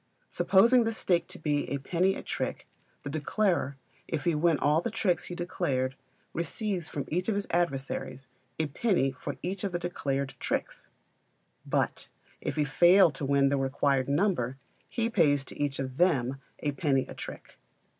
Supposing the stake to be a penny a trick, the declarer, if he win all the tricks he declared, receives from each of his adversaries a penny for each of the declared tricks; but if he fail to win the required number, he pays to each of them a penny a trick.